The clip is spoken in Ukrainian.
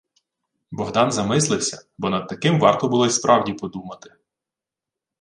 Богдан замислився, бо над таким варто було й справді подумати.